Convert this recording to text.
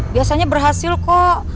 biasanya berhasil kok